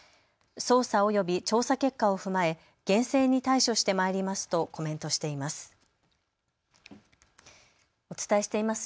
捜査および調査結果を踏まえ厳正に対処してまいりますとコメントしています。